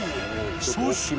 そして］